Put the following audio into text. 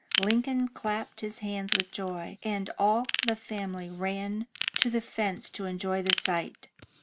Lincoln clapped his hands with joy, and all of the family ran to the fence to enjoy the sight.